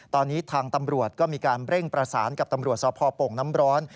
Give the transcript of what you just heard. ตอนนี้ทางตำรวจก็มีการเร่งประสานกับตำรวจสพโป่งน้ำร้อน